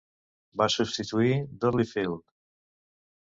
Va substituir Dudley Field.